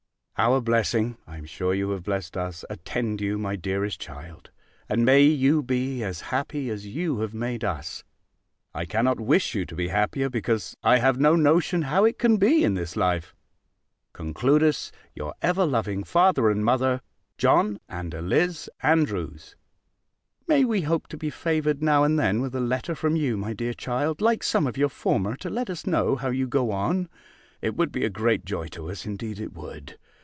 Our blessing (I am sure you have blessed us!) attend you, my dearest child; and may you be as happy as you have made us (I cannot wish you to be happier, because I have no notion how it can be in this life). Conclude us, your ever loving father and mother, JOHN and ELIZ. ANDREWS. May we hope to be favoured now and then with a letter from you, my dear child, like some of your former, to let us know how you go on? It would be a great joy to us; indeed it would.